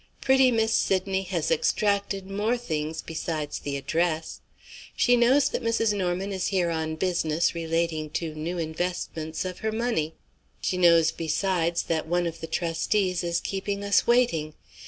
Pretty Miss Sydney has extracted more things, besides the address. She knows that Mrs. Norman is here on business relating to new investments of her money. She knows besides that one of the trustees is keeping us waiting.